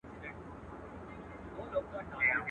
o چي مرگى سته ښادي نسته.